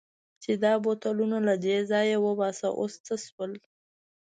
چې دا بوتلونه له دې ځایه وباسه، اوس څه شول؟